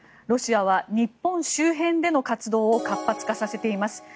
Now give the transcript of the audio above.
ロシアは日本周辺での活動を活発化させています。